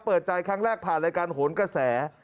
เปิดใจพันธุ์แรกภาทรายการโหลกระแส